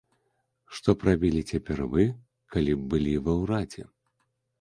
Што б рабілі цяпер вы, калі б былі ва ўрадзе?